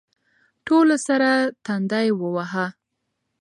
ټولو سر تندی واهه.